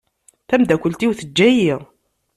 Tamdakelt-iw teǧǧa-yi.